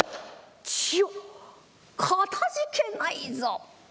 「千代かたじけないぞ」。